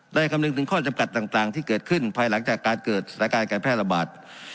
คำนึงถึงข้อจำกัดต่างที่เกิดขึ้นภายหลังจากการเกิดสถานการณ์การแพร่ระบาด